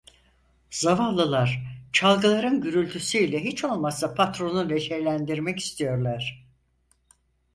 Zavallılar çalgılarının gürültüsü ile hiç olmasa patronu neşelendirmek istiyorlar…